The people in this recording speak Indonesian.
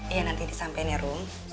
iya nanti disampein ya rom